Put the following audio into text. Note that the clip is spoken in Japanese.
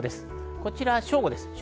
こちらは正午です。